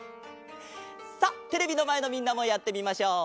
さっテレビのまえのみんなもやってみましょう！